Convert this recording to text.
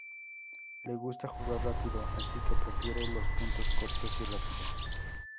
Le gusta jugar rápido, así que prefiere los puntos cortos y rápidos.